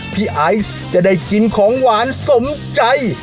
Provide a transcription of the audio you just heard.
ไอซ์จะได้กินของหวานสมใจ